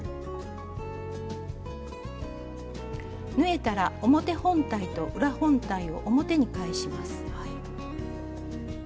縫えたら表本体と裏本体を表に返します。